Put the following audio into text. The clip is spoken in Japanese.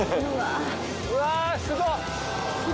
うわすごっ！